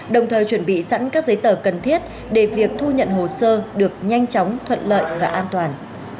đồng thời chuẩn bị sẵn các giấy tờ cần thiết để việc thu nhận hồ sơ được nhanh chóng thuận lợi và an toàn